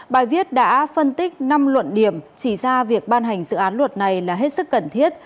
bài viết đã phân tích năm luận điểm chỉ ra việc ban hành dự án luật này là hết sức cần thiết